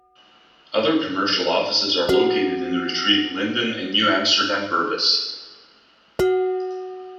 Other commercial offices are located in Retrieve, Linden and New Amsterdam, Berbice.